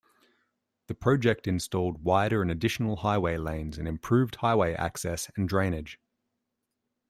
The project installed wider and additional highway lanes, and improved highway access and drainage.